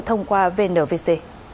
thông qua vnvc